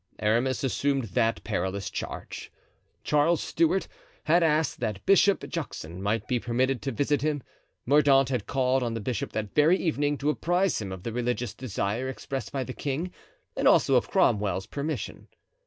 Aramis assumed that perilous charge. Charles Stuart had asked that Bishop Juxon might be permitted to visit him. Mordaunt had called on the bishop that very evening to apprise him of the religious desire expressed by the king and also of Cromwell's permission.